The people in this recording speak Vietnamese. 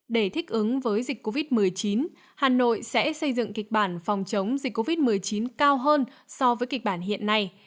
để thích ứng với dịch covid một mươi chín hà nội sẽ xây dựng kịch bản phòng chống dịch covid một mươi chín cao hơn so với kịch bản hiện nay